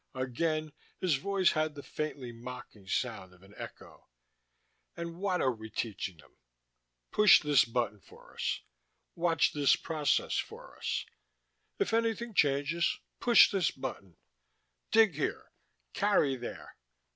Again his voice had the faintly mocking sound of an echo. "And what are we teaching them? Push this button for us. Watch this process for us. If anything changes push this button. Dig here. Carry there."